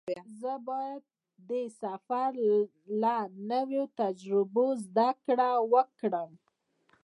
زه باید د سفر له نویو تجربو زده کړه وکړم.